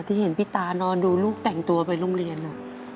ที่เห็นพี่ตานอนดูลูกแต่งตัวไปโรงเรียน